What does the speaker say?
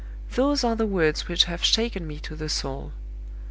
"Those are the words which have shaken me to the soul.